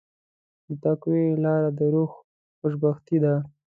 د تقوی لاره د روح خوشبختي ده.